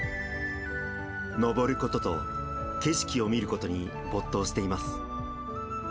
登ることと景色を見ることに没頭しています。